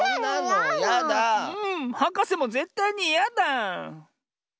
はかせもぜったいにいやだ！